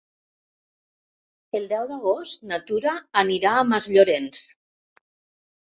El deu d'agost na Tura anirà a Masllorenç.